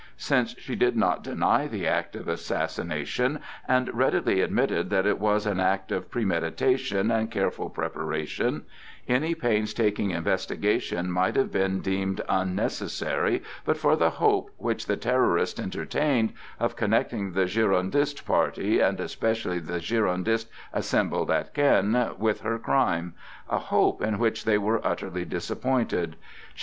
Since she did not deny the act of assassination and readily admitted that it was an act of premeditation and careful preparation, any painstaking investigation might have been deemed unnecessary but for the hope which the Terrorists entertained, of connecting the Girondist party, and especially the Girondists assembled at Caen, with her crime,—a hope in which they were utterly disappointed.